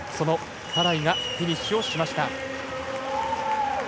タライがフィニッシュしました。